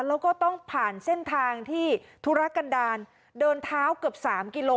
แล้วก็ต้องผ่านเส้นทางที่ธุรกันดาลเดินเท้าเกือบ๓กิโล